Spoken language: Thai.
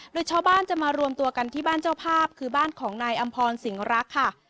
โดยชาวบ้านจะมารวมตัวกันที่บ้านเจ้าภาพคือบ้านของนายอำพรสิงรักค่ะ